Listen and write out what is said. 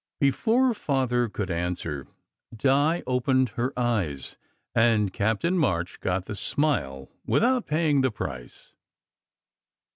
Before Father could answer, Di opened her eyes, and Captain March got the smile without paying the price.